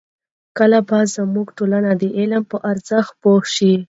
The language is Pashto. کله به زموږ ټولنه د علم په ارزښت پوه شي؟